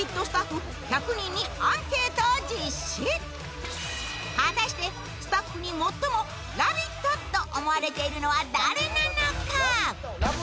スタッフ１００人にアンケートを実施果たしてスタッフに最もラヴィット！と思われているのは誰なのか？